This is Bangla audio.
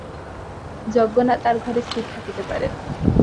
যজ্ঞনাথ আর ঘরে স্থির থাকিতে পারেন না।